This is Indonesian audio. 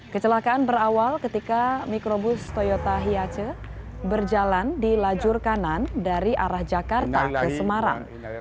kecelakaan berawal ketika mikrobus toyota hiace berjalan di lajur kanan dari arah jakarta ke semarang